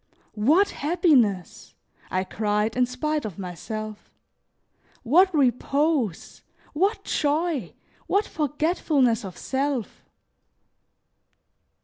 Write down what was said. "What happiness!" I cried in spite of myself. "What repose! What joy! What forgetfulness of self!"